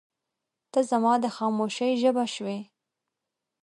• ته زما د خاموشۍ ژبه شوې.